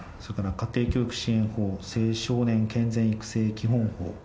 家庭教育支援法青少年健全育成基本法。